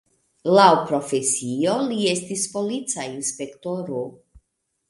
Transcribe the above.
Laŭ profesio li estis polica inspektoro.